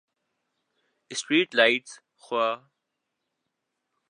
street lights خوا